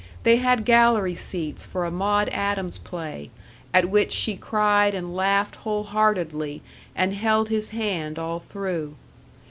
They had gallery seats for a Maude Adams play, at which she cried and laughed whole heartedly and held his hand all through.